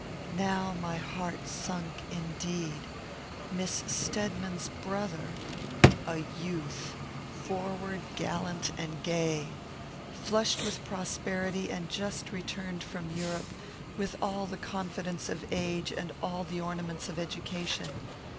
Now my heart sunk, indeed! Miss Stedman's brother! A youth, forward, gallant, and gay! Flushed with prosperity, and just returned from Europe, with all the confidence of age, and all the ornaments of education!